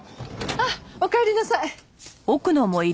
あっおかえりなさい。